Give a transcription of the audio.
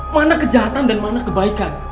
mana kejahatan dan mana kebaikan